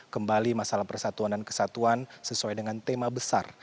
kembali masalah persatuan dan kesatuan sesuai dengan tema besar